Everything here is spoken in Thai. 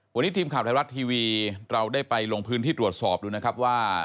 วันนี้ทีมข่าวไทยรัฐทีวีเราได้ไปลงพื้นที่ตรวจสอบดูนะครับว่า